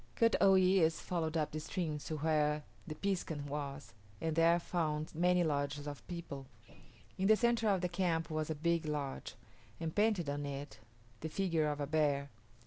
Kut o yis´ followed up the stream to where the piskun was and there found many lodges of people. In the centre of the camp was a big lodge, and painted on it the figure of a bear.